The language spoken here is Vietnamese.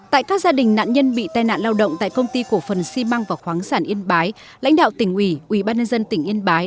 tại các gia đình nạn nhân bị tai nạn lao động tại công ty cổ phần xi măng và khoáng sản yên bái lãnh đạo tỉnh ủy ubnd tỉnh yên bái